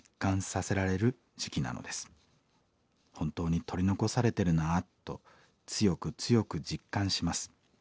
本当に取り残されてるなと強く強く実感します。